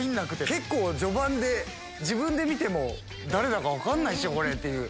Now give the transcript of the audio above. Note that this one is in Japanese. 結構序盤で自分で見ても誰だか分かんないっすよっていう。